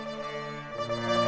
di boncengka fadli